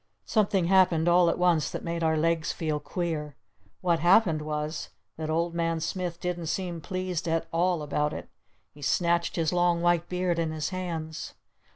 Something happened all at once that made our legs feel queer. What happened was that Old Man Smith didn't seem pleased at all about it. He snatched his long white beard in his hands.